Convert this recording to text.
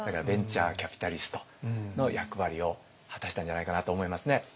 ベンチャーキャピタリストの役割を果たしたんじゃないかなと思いますね。